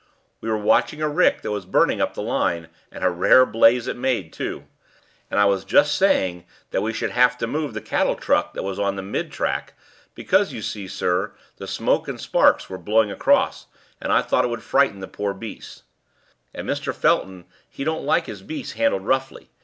We were watching a rick that was burning up the line, and a rare blaze it made, too; and I was just saying that we should have to move the cattle truck that was on the mid track, because, you see, sir, the smoke and sparks were blowing across, and I thought it would frighten the poor beasts. And Mr. Felton he don't like his beasts handled roughly.